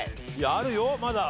あるよまだ。